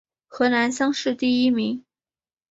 河南乡试第一名。